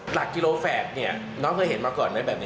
หลักกิโลแฝดนี่เนอะมีเคยเห็นมาก่อนมั้ยแบบนี้